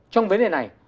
trong vấn đề này